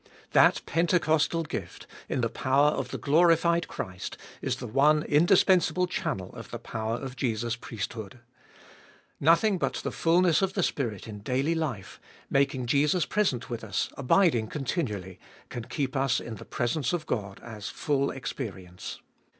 That Pentecostal gift, in the power of the glorified Christ, is the one indispensable channel of the power of Jesus' priesthood. Nothing but the fulness of the Spirit in daily life, making Jesus present within us, abiding continually, can keep us in the presence of God as full experience.